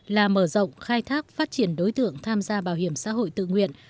là mở rộng khai thác phát triển đối tượng tham gia bảo hiểm xã hội tự nguyện